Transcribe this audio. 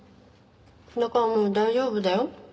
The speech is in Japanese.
だからもう大丈夫だよ。